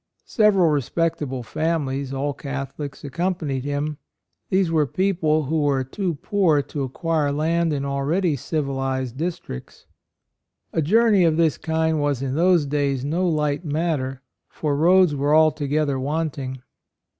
Several respectable families, all Catholics, accompanied him ; these were people who were too poor to acquire land in already civilized districts. A journey of this kind was in those days no light matter; for roads were altogether want ing.